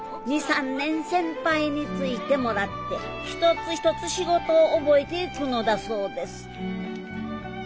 ２３年先輩についてもらって一つ一つ仕事を覚えていくのだそうです。